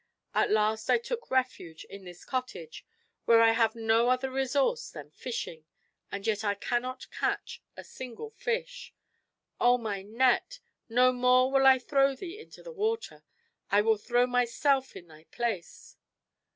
At last I took refuge in this cottage, where I have no other resource than fishing, and yet I cannot catch a single fish. Oh, my net! no more will I throw thee into the water; I will throw myself in thy place."